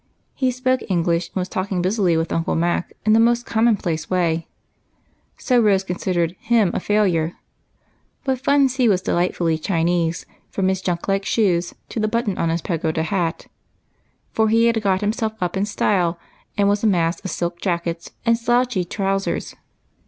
He spoke English, and was talking busily with Uncle Mac in the most commonplace way, — so Rose considered him a failure. But Fun See was delight fully Chinese from his junk like shoes to the button on his pagoda hat ; for he had got himself up in style, and was a mass of silk jackets and slouchy trousers.